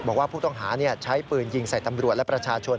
บอกว่าผู้ต้องหาใช้ปืนยิงใส่ตำรวจและประชาชน